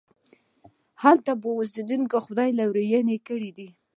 هلته پر اوسېدونکو خدای لورينې کړي دي.